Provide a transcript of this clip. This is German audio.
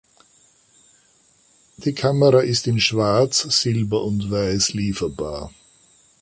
Die Kamera ist in schwarz, silber und weiß lieferbar.